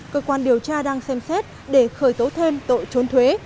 cơ quan điều tra đang xem xét để khởi tố thêm tội trốn thuế